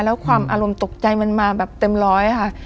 แล้วความอารมณ์ตกใจมันมาแบบเต็มร้อยค่ะ